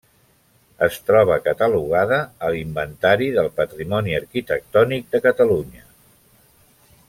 Es troba catalogada a l'Inventari del Patrimoni Arquitectònic de Catalunya.